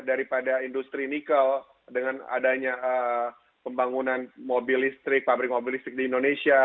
daripada industri nikel dengan adanya pembangunan mobil listrik pabrik mobil listrik di indonesia